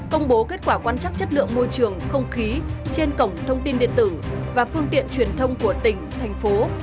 công bố kết quả quan trắc chất lượng môi trường không khí trên cổng thông tin điện tử và phương tiện truyền thông của tỉnh thành phố